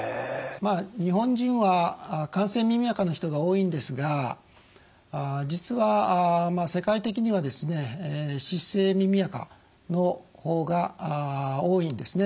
まあ日本人は乾性耳あかの人が多いんですが実は世界的には湿性耳あかの方が多いんですね